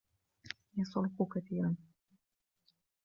يصرخ كثيرا.